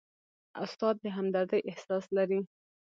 استاد د همدردۍ احساس لري.